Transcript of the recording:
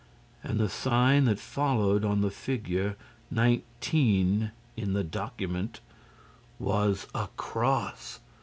And the sign that followed on the figure 19 in the document was a cross!